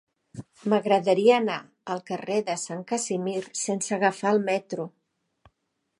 M'agradaria anar al carrer de Sant Casimir sense agafar el metro.